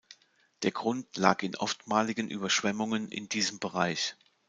Der Grund lag in oftmaligen Überschwemmungen in diesem Bereich.